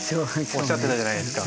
おっしゃってたじゃないですか。